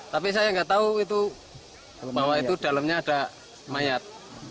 tapi saya nggak tahu itu bahwa itu dalamnya ada mayat